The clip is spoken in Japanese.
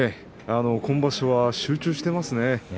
今場所は集中してますね。